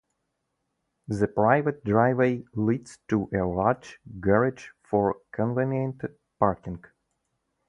The private driveway leads to a large garage for convenient parking.